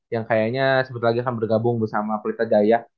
yang kayaknya sempet lagi akan bergabung bersama pita jaya